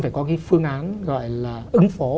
phải có cái phương án gọi là ứng phố